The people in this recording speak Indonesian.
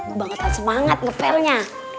gue banget tak semangat nge fail nya